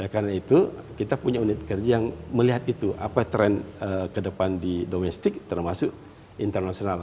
karena itu kita punya unit kerja yang melihat itu apa tren kedepan di domestik termasuk internasional